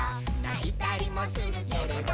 「ないたりもするけれど」